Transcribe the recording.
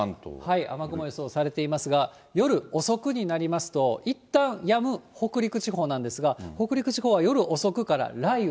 雨雲予想されていますが、夜遅くになりますと、いったんやむ北陸地方なんですが、北陸地方は夜遅くから雷雨。